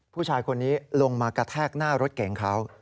ผู้ชายคนนี้ลงมากระแทกหน้ารถเก่งเขา